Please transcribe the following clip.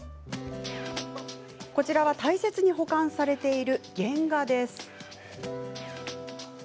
こちらは大切に保管されている原画です。